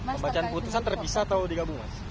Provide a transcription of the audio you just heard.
pembacaan putusan terpisah atau digabung mas